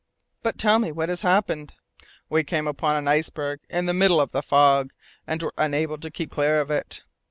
"But tell me what has happened?" "We came upon an iceberg in the middle of the fog, and were unable to keep clear of it."